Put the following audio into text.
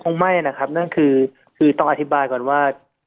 คงไม่นะครับนั่นคือต้องอธิบายก่อนว่า